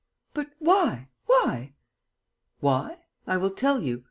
"But why? Why?" "Why? I will tell you.